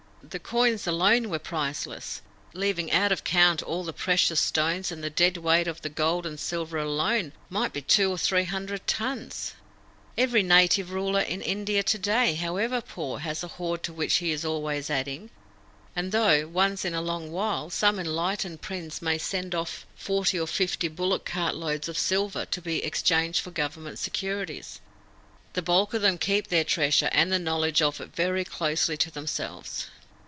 The coins alone were priceless, leaving out of count all the precious stones; and the dead weight of the gold and silver alone might be two or three hundred tons. Every native ruler in India to day, however poor, has a hoard to which he is always adding; and though, once in a long while, some enlightened prince may send off forty or fifty bullock cart loads of silver to be exchanged for Government securities, the bulk of them keep their treasure and the knowledge of it very closely to themselves.